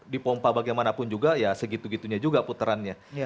dipompa bagaimanapun juga ya segitu gitunya juga puterannya